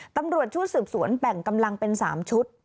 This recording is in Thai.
ตำรวจชุดสืบสวนแบ่งกำลังเป็น๓ชุด